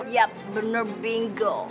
yap bener bingo